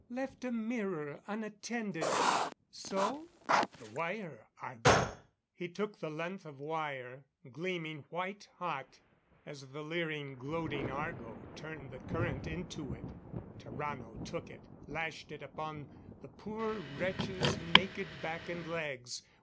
"Left a mirror unattended. So?... The wire, Argo." He took the length of wire, gleaming white hot, as the leering, gloating Argo turned the current into it Tarrano took it, lashed it upon the poor wretch's naked back and legs.